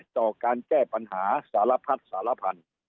ต่อการแก้ปัญหาสารพัดสารพันธุ์